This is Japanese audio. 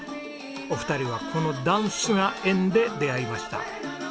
お二人はこのダンスが縁で出会いました。